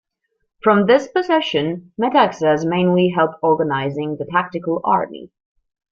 From this position Metaxas mainly helped organizing the tactical army.